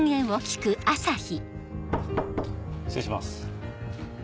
失礼します。